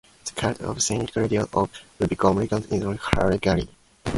The cult of Saint Louis of Toulouse became relevant in Medieval Hungary.